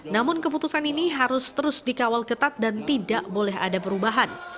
namun keputusan ini harus terus dikawal ketat dan tidak boleh ada perubahan